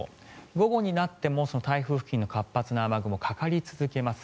午後になっても台風付近の活発な雨雲はかかり続けます。